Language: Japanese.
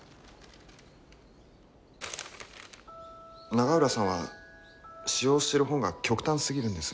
永浦さんは使用してる本が極端すぎるんです。